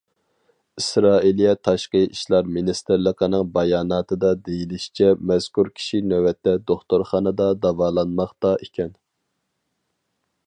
ئىسرائىلىيە تاشقى ئىشلار مىنىستىرلىقىنىڭ باياناتىدا دېيىلىشىچە مەزكۇر كىشى نۆۋەتتە دوختۇرخانىدا داۋالانماقتا ئىكەن.